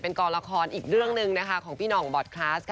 เป็นกรละครอีกเรื่องหนึ่งของพี่นองบอร์ดคลัส